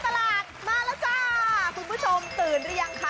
ตลาดมาแล้วจ้าคุณผู้ชมตื่นหรือยังคะ